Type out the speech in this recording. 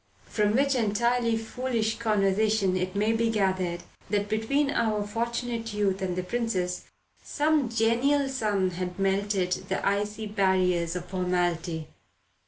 From which entirely foolish conversation it may be gathered that between our Fortunate Youth and the Princess some genial sun had melted the icy barriers of formality.